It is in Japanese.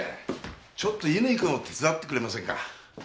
ちょっと乾君を手伝ってくれませんか。